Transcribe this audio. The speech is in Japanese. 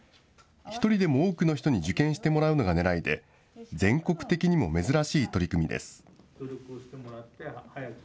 １人でも多くの人に受験してもらうのがねらいで、全国的にも珍しい取り組みです。